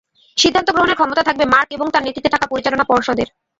সিদ্ধান্ত গ্রহণের ক্ষমতা থাকবে মার্ক এবং তাঁর নেতৃত্বে থাকা পরিচালনা পর্ষদের।